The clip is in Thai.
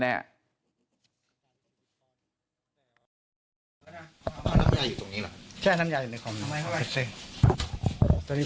น้ำยาอยู่ตรงนี้หรอใช่น้ำยาอยู่ในคอมนี้